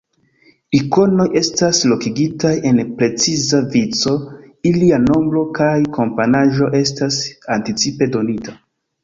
Ikonoj estas lokigitaj en preciza vico, ilia nombro kaj komponaĵo estas anticipe donita.